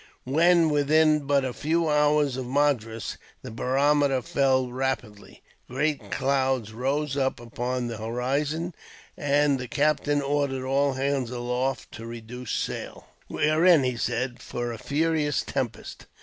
When within but a few hours of Madras, the barometer fell rapidly. Great clouds rose up upon the horizon, and the captain ordered all hands aloft to reduce sail. "We are in," he said, "for a furious tempest.